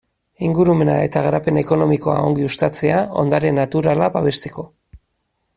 Ingurumena eta garapen ekonomikoa ongi uztatzea, ondare naturala babesteko.